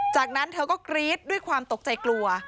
จากนั้นเธอก็กรี๊ดด้วยความตกใจกลัว